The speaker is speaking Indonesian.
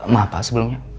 maaf pak sebelumnya